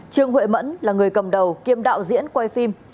trương huệ mẫn là người cầm đầu kiêm đạo diễn quay phim